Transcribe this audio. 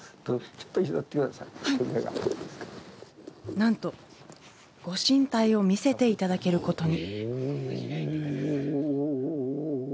なんと、ご神体を見せていただけることに。